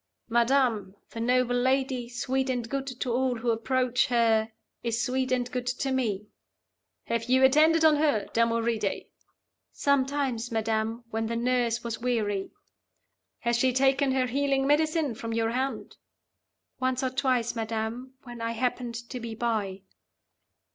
'Madam, the noble lady, sweet and good to all who approach her, is sweet and good to me.' 'Have you attended on her, Damoride?' 'Sometimes, madam, when the nurse was weary.' 'Has she taken her healing medicine from your hand.' 'Once or twice, madam, when I happened to be by.